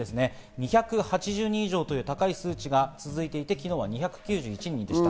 ２８０人以上という高い数値が続いていて、昨日は２９１人でした。